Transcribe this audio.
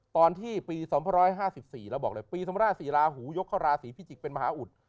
ตอนที่ปี๒๕๔เราบอกเลยปีสมรสิราหูยกเข้าราศีพิจิกส์เป็นมหาอุทธ์